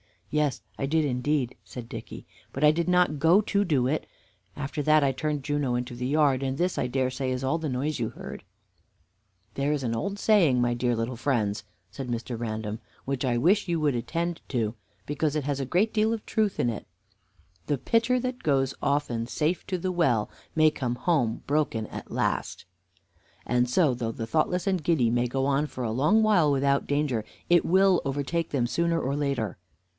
"Yes, I did indeed," said Dicky, "but I did not go to do it. After that I turned Juno into the yard, and this I dare say is all the noise you heard." "There is an old saying, my dear little friends," said Mr. Random, "which I wish you to attend to, because it has a great deal of truth in it: 'The pitcher that goes often safe to the well may come home broken at last.' And so, though the thoughtless and giddy may go on for a long while without danger, it will overtake them sooner or later.